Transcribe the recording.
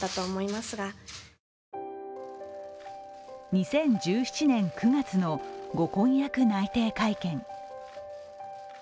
２０１７年９月のご婚約内定会見。